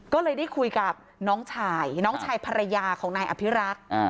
ก็เลยได้คุยกับน้องชายน้องชายภรรยาของนายอภิรักษ์